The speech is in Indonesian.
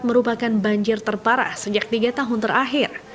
merupakan banjir terparah sejak tiga tahun terakhir